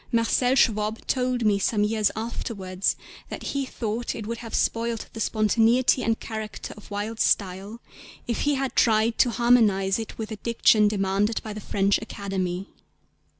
Marcel Schwob told me some years afterwards that he thought it would have spoiled the spontaneity and character of Wilde's style if he had tried to harmonise it with the diction demanded by the French Academy.